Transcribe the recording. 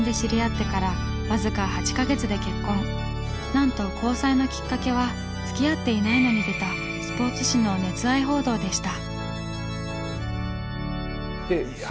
なんと交際のきっかけは付き合っていないのに出たスポーツ紙の熱愛報道でした。